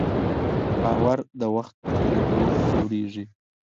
باور د وخت په تېرېدو جوړېږي.